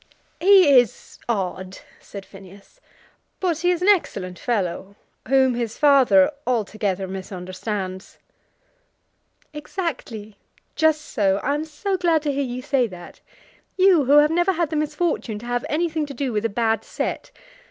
"He is odd," said Phineas; "but he is an excellent fellow, whom his father altogether misunderstands." "Exactly, just so; I am so glad to hear you say that, you who have never had the misfortune to have anything to do with a bad set.